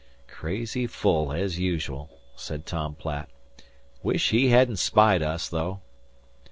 "Crazy full as usual," said Tom Platt. "Wish he hadn't spied us, though."